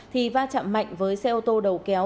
thì va chạm mạnh với xe ô tô đầu kéo